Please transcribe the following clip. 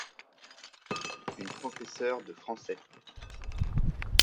Une professeure de français.